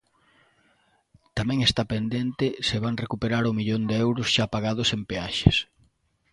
Tamén está pendente se van recuperar o millón de euros xa pagados en peaxes.